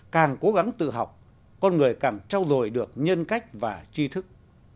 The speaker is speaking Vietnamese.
càng cố gắng tự học con người càng trao dồi được nhân cách và chi thức